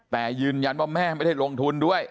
แต่ยืนยันว่าแม่ไม่ได้ลงทุนด้วย